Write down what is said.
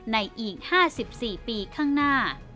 อีก๕๔ปีข้างหน้า